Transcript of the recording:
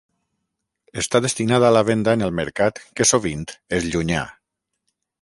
Està destinada a la venda en el mercat que sovint és llunyà.